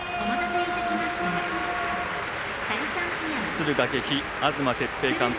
敦賀気比、東哲平監督。